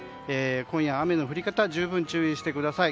今夜、雨の降り方に十分注意してください。